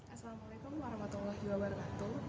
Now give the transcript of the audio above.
assalamualaikum warahmatullahi wabarakatuh